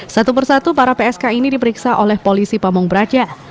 satu persatu para psk ini diperiksa oleh polisi pamung braja